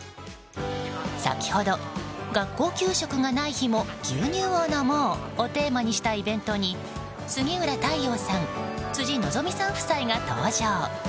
先ほど、学校給食のない日も牛乳を飲もうをテーマにしたイベントに杉浦太陽さん辻希美さん夫妻が登場。